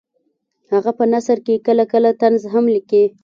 هغه په نثر کې کله کله طنز هم لیکي